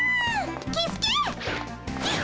キスケ！